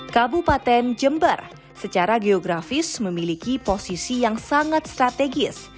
kabupaten jember secara geografis memiliki posisi yang sangat strategis